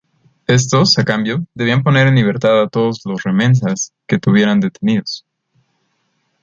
Estos a cambio debían poner en libertad a todos los remensas que tuvieran detenidos.